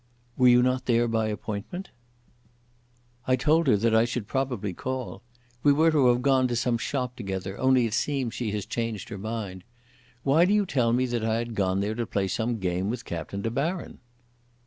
"Were you not there by appointment?" "I told her that I should probably call. We were to have gone to some shop together, only it seems she has changed her mind. Why do you tell me that I had gone there to play some game with Captain De Baron?"